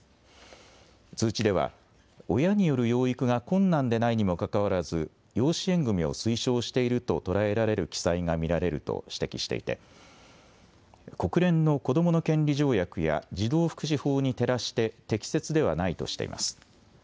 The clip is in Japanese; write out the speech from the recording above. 通知では親による養育が困難でないにもかかわらず養子縁組みを推奨していると捉えられる記載が見られると指摘していて国連の子どもの権利条約や児童福祉法に照らして適切ではないとしています。